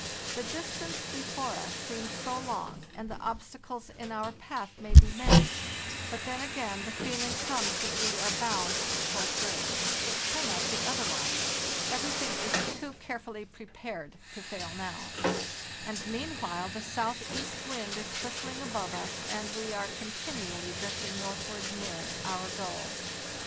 The distance before us seems so long, and the obstacles in our path may be many; but then again the feeling comes that we are bound to pull through: it cannot be otherwise; everything is too carefully prepared FARTHEST NORTH 1) Ce to fail now, and meanwhile the southeast wind is whistling above us, and we are continually drifting northward nearer our goal.